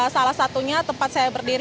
salah satunya tempat saya berdiri